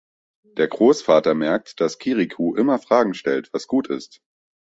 Der Großvater merkt, dass Kirikou immer Fragen stellt, was gut ist.